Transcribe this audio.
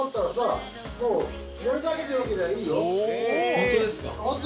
ホントですか？